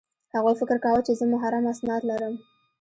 هغوی فکر کاوه چې زه محرم اسناد لرم